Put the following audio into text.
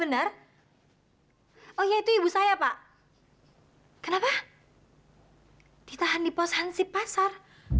enak gak itu anak suruh minta maaf